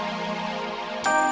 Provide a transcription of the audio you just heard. biarin aku sendiri